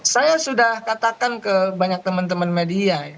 saya sudah katakan ke banyak teman teman media